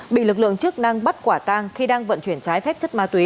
bị lực lượng chức năng bắt quả tang khi đang vận chuyển trái phép chất ma túy